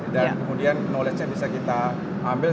dan kemudian knowledge nya bisa kita ambil